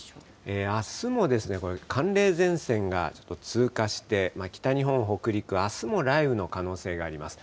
あすもこれ、寒冷前線がちょっと通過して、北日本、北陸、あすも雷雨の可能性があります。